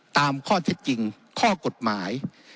ตามข้อเท็จจริงข้อกฎหมาย